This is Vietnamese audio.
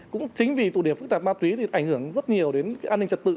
cũng chính vì tụi đề phức tạp ma túy thì ảnh hưởng rất nhiều đến an ninh trật tự